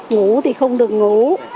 ngủ thì không được ngủ